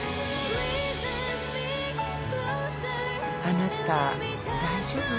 あなた大丈夫？